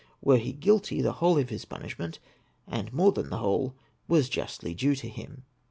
Were he guilty, the whole of his pimish ment, and more than the whole, was justly due to him."